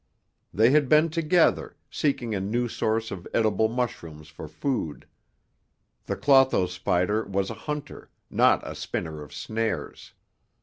They had been together, seeking a new source of edible mushrooms for food. The Clotho spider was a hunter, not a spinner of snares.